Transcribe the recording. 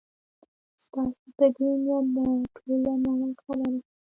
ستاسي په دې نیت به ټوله نړۍ خبره شي.